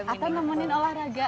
atau nemenin olahraga